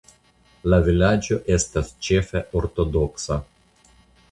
La vilaĝo estas ĉefe ortodoksa.